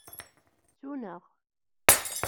Ttun-aɣ.